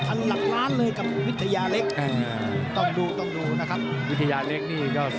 ควบโรค๔๐ปีของครูสูชัย